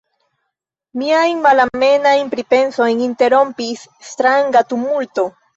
Miajn malamemajn pripensojn interrompis stranga tumulto.